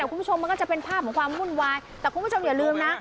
คุณผู้ชมมันก็จะเป็นภาพของความวุ่นวายแต่คุณผู้ชมอย่าลืมนะ